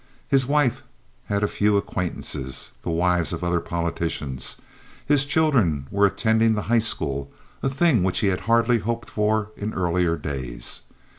His wife had a few acquaintances—the wives of other politicians. His children were attending the high school, a thing he had hardly hoped for in earlier days.